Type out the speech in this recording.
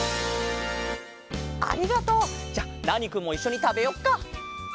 ありがとう！じゃあナーニくんもいっしょにたべよっか。